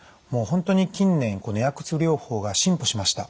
もう本当に近年薬物療法が進歩しました。